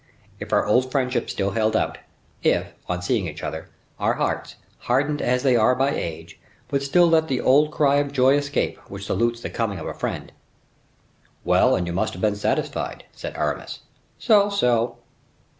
"If our old friendship still held out; if, on seeing each other, our hearts, hardened as they are by age, would still let the old cry of joy escape, which salutes the coming of a friend." "Well, and you must have been satisfied," said Aramis. "So, so."